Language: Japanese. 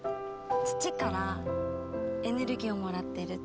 土からエネルギーをもらってる。